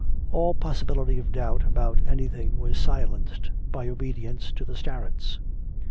All possibility of doubt about anything was silenced by obedience to the starets.